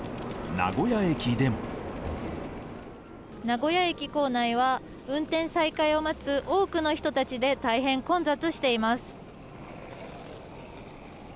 名古屋駅構内は、運転再開を待つ多くの人たちで大変混雑しています。